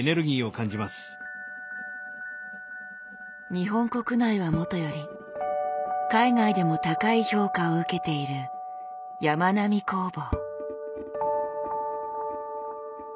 日本国内はもとより海外でも高い評価を受けているやまなみ工房。